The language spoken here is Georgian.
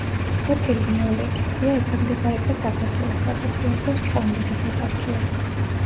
სოფელი მეორე კიწია ექვემდებარება საქართველოს საპატრიარქოს ჭყონდიდის ეპარქიას.